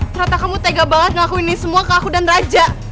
ternyata kamu tega banget ngakuin ini semua ke aku dan raja